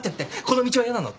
この道はやなの」